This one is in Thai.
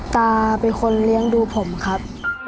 ตาเป็นคนเลี้ยงดูผมครับ